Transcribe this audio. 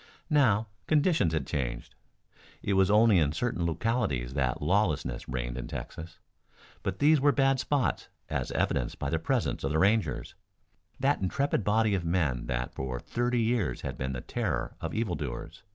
Now, conditions had changed. It was only in certain localities that lawlessness reigned in Texas, but these were bad spots, as evidenced by the presence of the Rangers, that intrepid body of men that for thirty years had been the terror of evildoers.